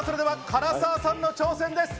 では唐沢さんの挑戦です。